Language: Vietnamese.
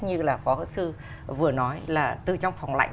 như là phó sư vừa nói là từ trong phòng lạnh